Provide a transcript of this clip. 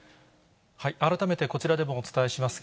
改めてこちらでもお伝えします。